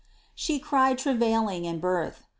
101. "She cried travailing in birth."